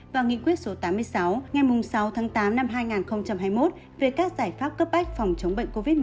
và nghị quyết số tám mươi sáu ngày sáu tháng tám năm hai nghìn hai mươi một về các giải pháp cấp bách phòng chống bệnh covid một mươi chín